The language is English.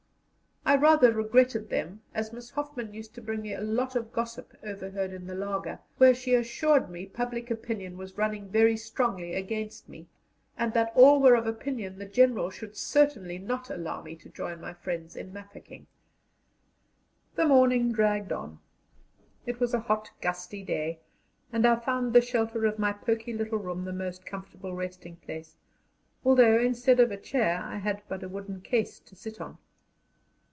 I rather regretted them, as Miss Hoffman used to bring me a lot of gossip overheard in the laager, where she assured me public opinion was running very strongly against me, and that all were of opinion the General should certainly not allow me to join my friends in Mafeking. The morning dragged on. It was a hot, gusty day, and I found the shelter of my poky little room the most comfortable resting place, although instead of a chair I had but a wooden case to sit on.